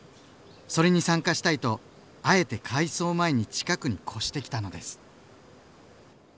それに参加したいとあえて改装前に近くに越してきたのです。